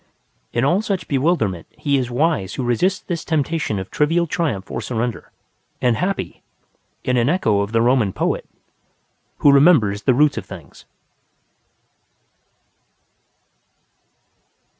In all such bewilderment he is wise who resists this temptation of trivial triumph or surrender, and happy (in an echo of the Roman poet) who remembers the roots of things.